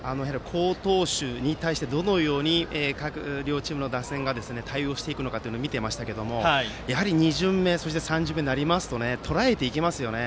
好投手に対してどのように両チームの打線が対応していくのかを見ていましたが２巡目、そして３巡目になりますととらえていきますよね。